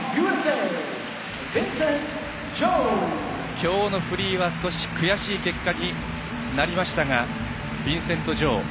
きょうのフリーは少し悔しい結果になりましたがビンセント・ジョウ。